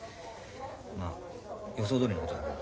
まあ予想どおりのことだけどな実は。